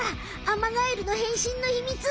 アマガエルの変身のひみつ